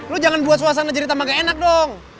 lo jangan buat suasana cerita maga enak dong